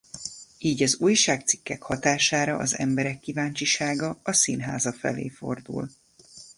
Így az újságcikkek hatására az emberek kíváncsisága a színháza felé fordul.